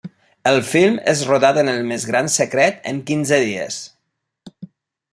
El film és rodat en el més gran secret en quinze dies.